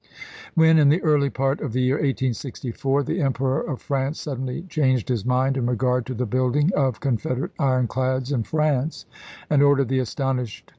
When, in the early part of the year 1864, the Em peror of France suddenly changed his mind in regard to the building of Confederate ironclads in France, and ordered the astonished M.